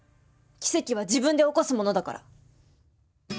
奇跡は自分で起こすものだから。